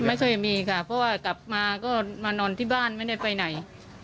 ไม่เคยมีค่ะเพราะว่ากลับมาก็มานอนที่บ้านไม่ได้ไปไหน